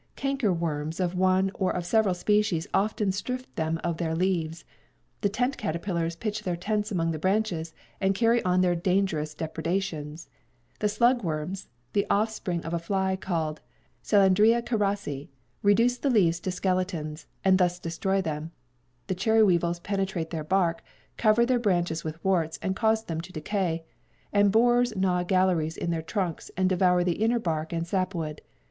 Canker worms of one or of several species often strip them of their leaves; the tent caterpillars pitch their tents among the branches and carry on their dangerous depredations; the slug worms, the offspring of a fly called Selandria cerasi, reduce the leaves to skeletons, and thus destroy them; the cherry weevils penetrate their bark, cover their branches with warts and cause them to decay; and borers gnaw galleries in their trunks and devour the inner bark and sap wood.'